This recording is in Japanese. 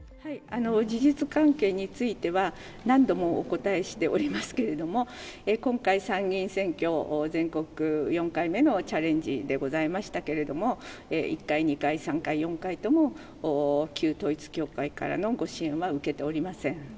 事実関係については、何度もお答えしておりますけれども、今回、参議院選挙、全国４回目のチャレンジでございましたけれども、１回、２回、３回、４回とも、旧統一教会からのご支援は受けておりません。